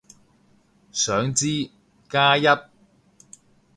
想知，加一